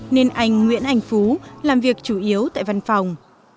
nên anh nguyễn anh phú làm việc chủ yếu tại văn phòng